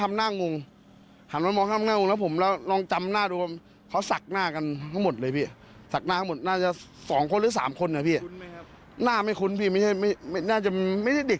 เผื่อว่าเขายังไม่ถูกสำรวจจับแล้วเขาดูโทรทัศน์อยู่ครับ